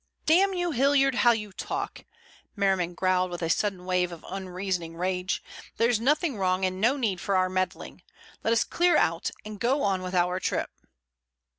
"Damn you, Hilliard, how you talk," Merriman growled with a sudden wave of unreasoning rage. "There's nothing wrong and no need for our meddling. Let us clear out and go on with our trip."